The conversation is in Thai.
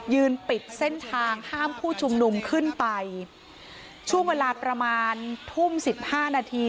ปิดเส้นทางห้ามผู้ชุมนุมขึ้นไปช่วงเวลาประมาณทุ่มสิบห้านาที